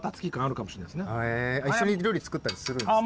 一緒に料理作ったりするんですね。